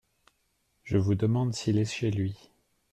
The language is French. Je vous demande s’il est chez lui.